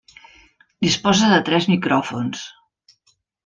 Disposa de tres micròfons.